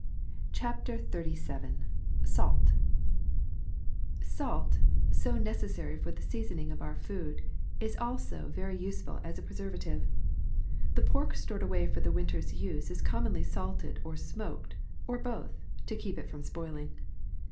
'' CHAPTER XXXVII SALT «^^ ALT, so necessary for the seasoning of our food, k3is also very useful as a preservative. The pork stored away for the winter's use is commonly salted or smoked, or both, to keep it from spoiling.